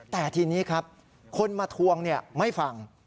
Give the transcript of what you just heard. แต่ทีนี้ครับคนมาทวงไม่ฟัง